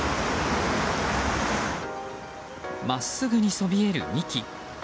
真っすぐにそびえる幹。